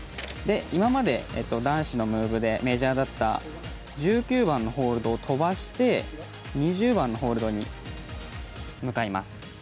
今まで、男子のムーブでメジャーだった１９番のホールドを飛ばして２０番のホールドに向かいます。